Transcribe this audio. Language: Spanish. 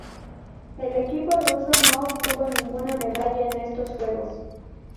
El equipo ruso no obtuvo ninguna medalla en estos Juegos.